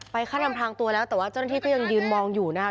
ขั้นอำพลางตัวแล้วแต่ว่าเจ้าหน้าที่ก็ยังยืนมองอยู่นะครับ